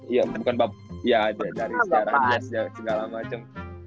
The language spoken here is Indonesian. iya bukan babu ya dari sejarah dia segala macem